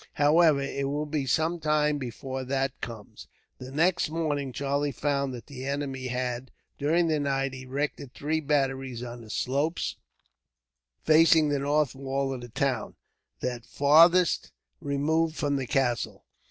However, it will be sometime before that comes." The next morning, Charlie found that the enemy had, during the night, erected three batteries on the slopes facing the north wall of the town, that farthest removed from the castle.